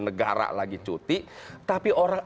negara lagi cuti tapi orang